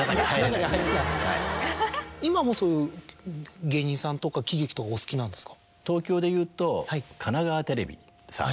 今もそういう芸人さんとか喜劇とかお好きなんですか？